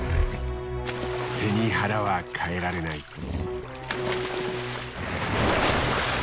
背に腹はかえられない。